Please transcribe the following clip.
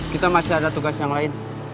kita masih ada tugas yang lain